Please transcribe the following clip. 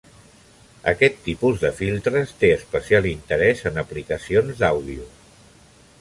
Aquest tipus de filtres té especial interès en aplicacions d'àudio.